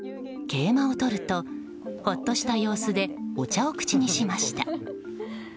桂馬をとると、ほっとした様子でお茶を口にしました。